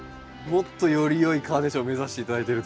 もっとよりよいカーネーションを目指して頂いてると。